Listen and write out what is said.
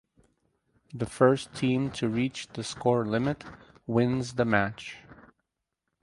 The first team to reach the score limit wins the match.